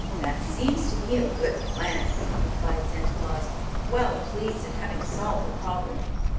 "That seems to me a good plan," replied Santa Claus, well pleased at having solved the problem.